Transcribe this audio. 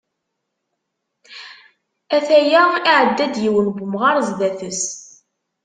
Ata ya iɛedda-d, yiwen n umɣar sdat-s.